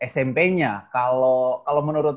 smp nya kalo menurut